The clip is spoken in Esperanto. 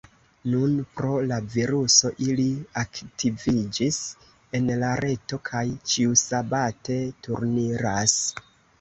Nun pro la viruso ili aktiviĝis en la reto kaj ĉiusabate turniras.